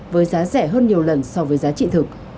với giá rẻ hơn nhiều lần so với giá trị thực